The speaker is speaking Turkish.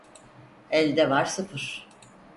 Elde var sıfır.